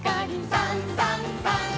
「さんさんさん」